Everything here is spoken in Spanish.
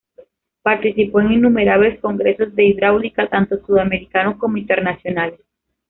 Participó en innumerables Congresos de Hidráulica, tanto Sudamericanos como internacionales.